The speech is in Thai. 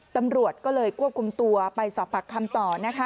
ตำรวจก็เลยควบคุมตัวไปสอบปากคำต่อนะคะ